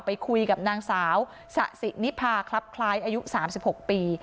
ไปคุยกับนางสาวสะสินิพาคลับคล้ายอายุ๓๖ปี